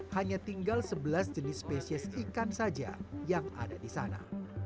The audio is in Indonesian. hanya tinggal sebelas jenis spesies ikan saja yang ada di sana